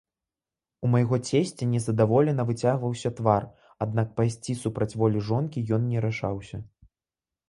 У майго цесця незадаволена выцягваўся твар, аднак пайсці супраць волі жонкі ён не рашаўся.